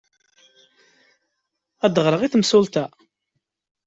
Ad ɣreɣ i temsulta?